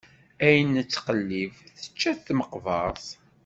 Ayen nettqellib, tečča-t tmeqbeṛt.